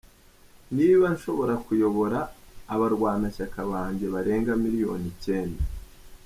Niba nshobora kuyobora abarwanashaka banjye barenga miliyoni icyenda…”